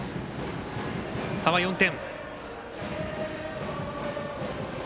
差は４点。